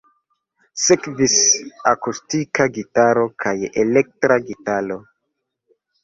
Sekvis akustika gitaro kaj elektra gitaro.